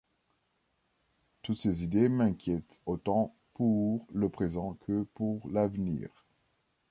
Toutes ces idées m’inquiètent autant pour le présent que pour l’avenir.